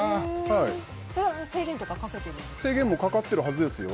それは制限とかかけてるんですか？